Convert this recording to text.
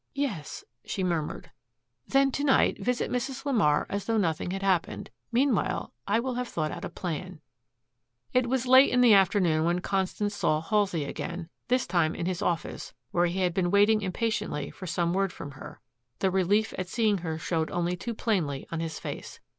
"Yes," she murmured. "Then to night visit Mrs. LeMar as though nothing had happened. Meanwhile I will have thought out a plan." It was late in the afternoon when Constance saw Halsey again, this time in his office, where he had been waiting impatiently for some word from her. The relief at seeing her showed only too plainly on his face.